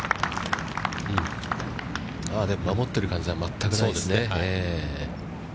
でも、守っている感じは全くないですね。